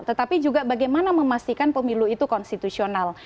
tetapi juga bagaimana memastikan pemilu itu konstitusional